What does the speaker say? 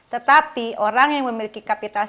tetapi orang yang memiliki kapasitas